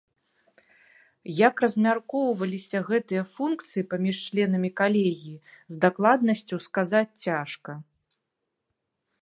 Як размяркоўваліся гэтыя функцыі паміж членамі калегіі, з дакладнасцю сказаць цяжка.